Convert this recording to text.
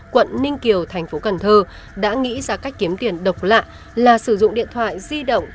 quận ninh kiều tp cn đã nghĩ ra cách kiếm tiền độc lạ là sử dụng điện thoại di động